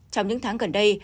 trong những tháng gần đây